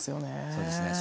そうですね。